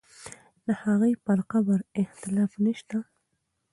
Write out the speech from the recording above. د هغې پر قبر اختلاف نه شته.